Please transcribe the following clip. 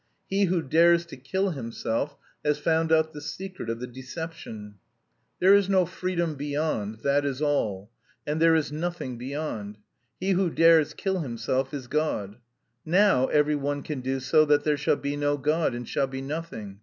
He who dares to kill himself has found out the secret of the deception. There is no freedom beyond; that is all, and there is nothing beyond. He who dares kill himself is God. Now every one can do so that there shall be no God and shall be nothing.